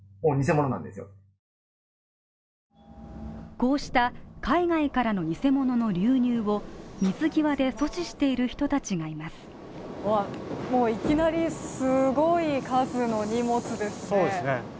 こうした海外からの偽物の流入を水際で阻止している人たちがいます。